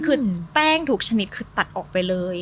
คือแป้งทุกชนิดคือตัดออกไปเลย